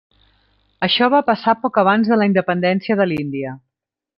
Això va passar poc abans de la independència de l'Índia.